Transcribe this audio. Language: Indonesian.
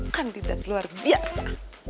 kandidat luar biasa